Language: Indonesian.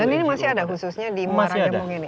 dan ini masih ada khususnya di marang jemung ini